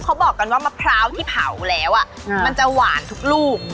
เขาบอกกันว่ามะพร้าวที่เผาแล้วมันจะหวานทุกลูก